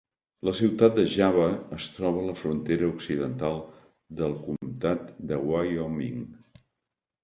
La ciutat de Java es troba a la frontera occidental del comtat de Wyoming.